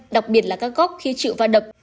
đặc biệt là các góc khi chịu va đập